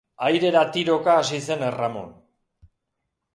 Airera tiroka hasi zen Erramun.